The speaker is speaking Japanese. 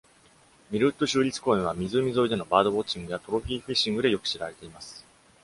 ミルウッド州立公園は、湖沿いでのバードウォッチングやトロフィーフィッシングでよく知られています。